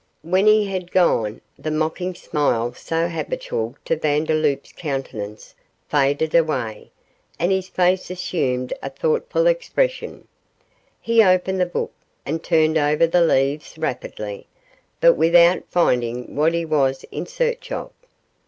When he was gone, the mocking smile so habitual to Vandeloup's countenance faded away, and his face assumed a thoughtful expression. He opened the book, and turned over the leaves rapidly, but without finding what he was in search of.